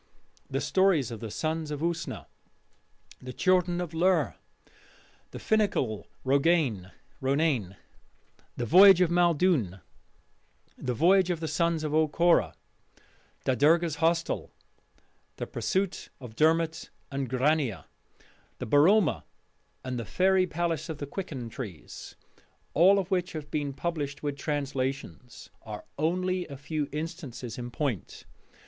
The stories of the Sons of Usna, the Children of Lir, the Fingal Ronain, the Voyage of Maeldune, The Voyage of the Sons of O'Corra, Da Derga's Hostel, The Pursuit of Dermot and Grania, the Boroma, and the Fairy Palace of the Quicken Trees all of which have been published with translations are only a few instances in point.